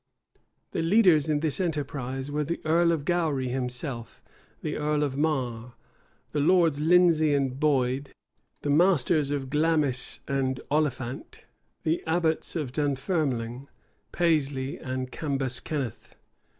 The leaders in this enterprise were the earl of Gowry himself, the earl of Marre, the lords Lindesey and Boyd, the masters of Glamis and Oliphant, the abbots of Dunfermling, Paisley, and Cambuskenneth.